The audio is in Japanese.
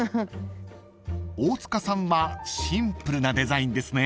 ［大塚さんはシンプルなデザインですね］